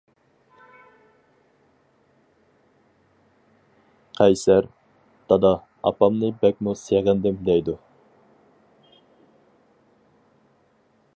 قەيسەر: دادا، ئاپامنى بەكمۇ سېغىندىم دەيدۇ.